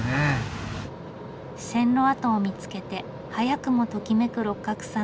線路跡を見つけて早くもときめく六角さん。